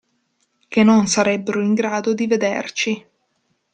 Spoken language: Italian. Che non sarebbero in grado di vederci.